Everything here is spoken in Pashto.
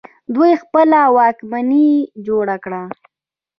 دوی خپله واکمني جوړه کړه